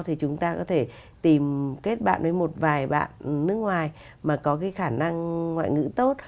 thì chúng ta có thể tìm kết bạn với một vài bạn nước ngoài mà có cái khả năng ngoại ngữ tốt